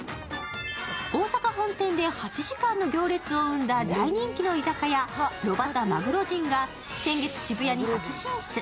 大阪本店で８時間の行列を生んだ大人気の居酒屋、炉端まぐろじんが先月、渋谷に初進出。